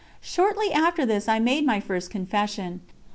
Shortly after this I made my first confession.